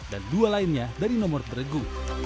dan dua lainnya dari nomor tregu